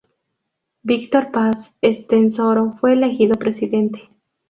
Víctor Paz Estenssoro fue elegido presidente.